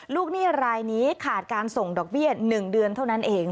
หนี้รายนี้ขาดการส่งดอกเบี้ย๑เดือนเท่านั้นเอง